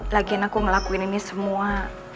lagian aku ngelakuin ini semua